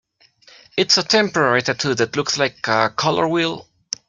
It's a temporary tattoo that looks like... a color wheel?